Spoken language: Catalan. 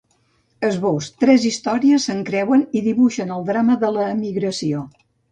Esbós: Tres històries s’encreuen i dibuixen el drama de l’emigració.